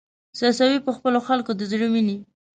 څڅوې په خپلو خلکو د زړه وینې